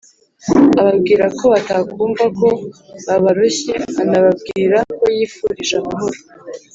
ababwira ko batakumva ko babaroshye anababwira ko yifurije amahoro